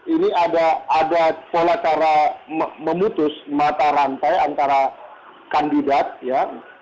ini ada pola cara memutus mata rantai antara kandidat ya